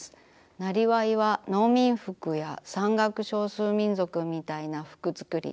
なりわいは農民服や山岳少数民族みたいな服つくり。